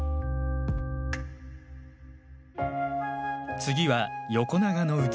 次は横長の器。